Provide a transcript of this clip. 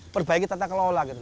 perbaiki tata kelola gitu